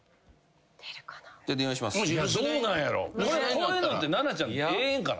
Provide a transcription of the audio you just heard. こういうのって奈々ちゃんええんかな？